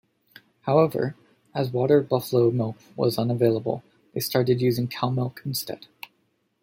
However, as water buffallo milk was unavailable, they started using cow milk instead.